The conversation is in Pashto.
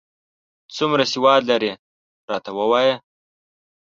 څومره سواد لرې، راته ووایه ؟